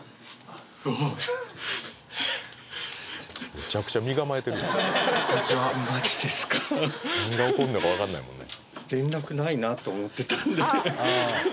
めちゃくちゃ身構えてるやん何が起こるのか分かんないもんね